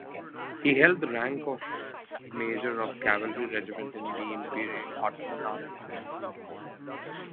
He held the rank of major of cavalry regiment in the imperial Ottoman army.